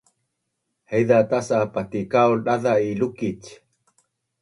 Haiza tas’a patikaul daza’ i dakus